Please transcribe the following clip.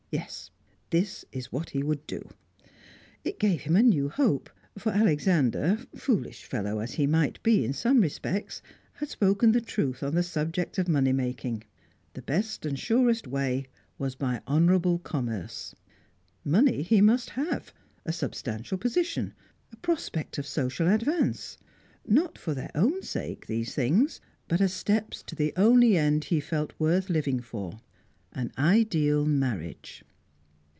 Yes, this was what he would do; it gave him a new hope. For Alexander, foolish fellow as he might be in some respects, had spoken the truth on the subject of money making; the best and surest way was by honourable commerce. Money he must have; a substantial position; a prospect of social advance. Not for their own sake, these things, but as steps to the only end he felt worth living for an ideal marriage.